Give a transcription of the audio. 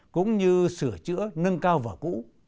cũng như sửa chữa nâng cao vở cũ